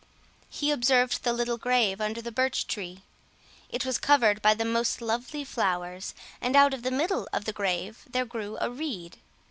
He observed the little grave under the birch tree; it was covered by the most lovely flowers, and out of the middle of the grave there grew a reed.